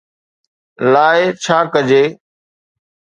لاءِ ڇا ڪجي